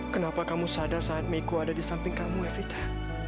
kenapa kamu sadar saat meiku ada di samping kamu evita